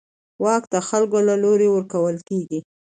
واک د خلکو له لوري ورکول کېږي